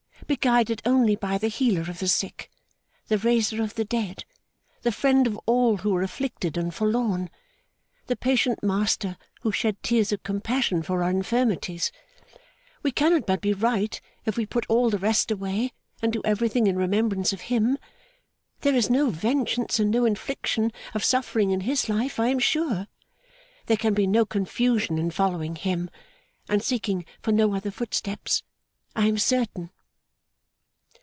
Be guided only by the healer of the sick, the raiser of the dead, the friend of all who were afflicted and forlorn, the patient Master who shed tears of compassion for our infirmities. We cannot but be right if we put all the rest away, and do everything in remembrance of Him. There is no vengeance and no infliction of suffering in His life, I am sure. There can be no confusion in following Him, and seeking for no other footsteps, I am certain.